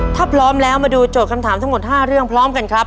ถ้าพร้อมแล้วมาดูโจทย์คำถามทั้งหมด๕เรื่องพร้อมกันครับ